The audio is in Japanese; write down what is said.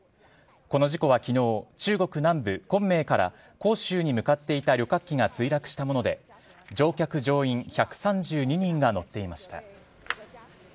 この事故はきのう、中国南部、昆明から広州に向かっていた旅客機が墜落したもので、乗客・乗員１３２人が乗っていました。